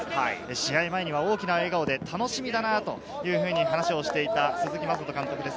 試合前には大きな笑顔で楽しみだなと話をしていた鈴木雅人監督です。